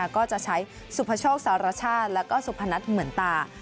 ก็จะใช้สุพโชคสารชาติแล้วก็สุพนัทเหมือนตา